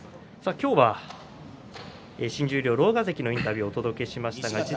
今日は新十両の狼雅関のインタビューをお届けしました。